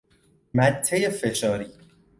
مته فشاری